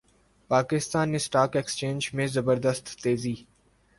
Pakistan stock exchange میں زبردست تیزی